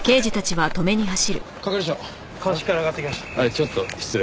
はいちょっと失礼。